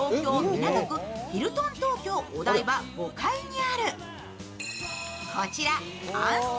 港区ヒルトン東京お台場５階にあるこちら庵スパ